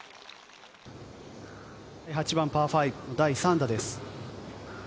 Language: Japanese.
８番パー５、第３打です。